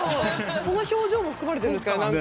その表情も含まれてるんですかねなんか。